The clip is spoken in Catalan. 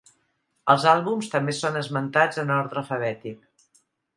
Els àlbums també són esmentats en ordre alfabètic.